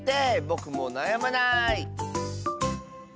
ぼくもうなやまない！